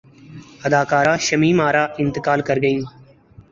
اداکارہ شمیم ارا انتقال کرگئیں